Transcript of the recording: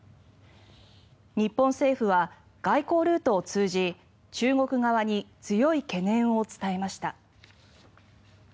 日本政府は外交ルートを通じ中国側に強い懸念を伝えました。